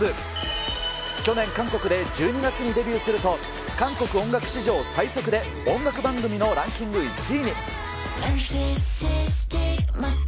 去年、韓国で１２月にデビューすると、韓国音楽史上最速で音楽番組のランキング１位に。